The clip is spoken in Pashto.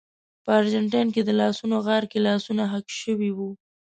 په ارجنټاین کې د لاسونو غار کې لاسونه حک شوي وو.